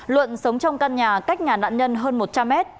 luận sống trong căn nhà cách nhà nạn nhân hơn một trăm linh mét